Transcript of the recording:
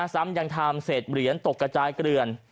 ซ้ำยังทำเศษเหรียญตกกระจายเกลือน